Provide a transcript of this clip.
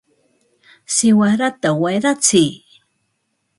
¡siwarata wayratsiy!